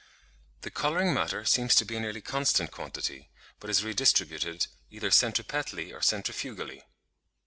The colouring matter seems to be a nearly constant quantity, but is redistributed, either centripetally or centrifugally.